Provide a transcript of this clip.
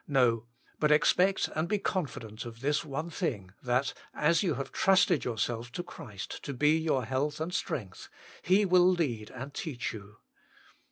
No ; but expect and be confident of this one thing, that, as you have trusted yourself to Christ to be your health and strength, He will lead and teach you.